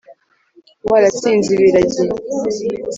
Waratsinze ibiragi.